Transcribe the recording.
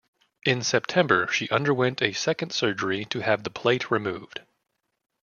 In September, she underwent a second surgery to have the plate removed.